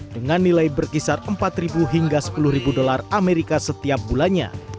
dengan nilai berkisar empat hingga sepuluh dolar amerika setiap bulannya